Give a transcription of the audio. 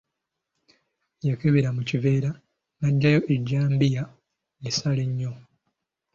Yakebera mu kiveera n’aggyayo ejjambiya esala ennyo.